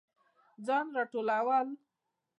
ځان راټولول